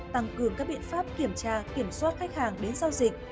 tăng cường các biện pháp kiểm tra kiểm soát khách hàng đến giao dịch